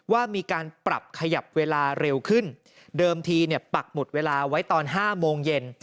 ว่ามีการปรับขยับเวลาเร็วขึ้นเดิมทีเนี่ยปักหมุดเวลาไว้ตอน๕โมงเย็น